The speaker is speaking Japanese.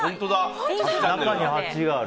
中に８がある。